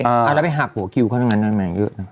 เอาแล้วไปหักหัวกิวเขาด้วยมันมีการเยอะนะ